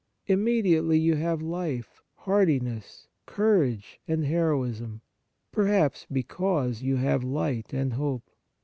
Immediately you have life, heartiness, courage and heroism, perhaps because you have light and hope.